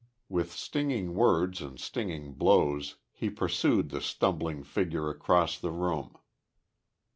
With stinging words and stinging blows, he pursued the stumbling figure across the room.